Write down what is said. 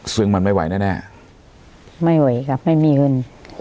ซึ่งมันไม่ไหวแน่ไม่ไหวครับไม่มีเงิน